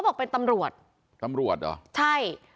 แซ็คเอ้ยเป็นยังไงไม่รอดแน่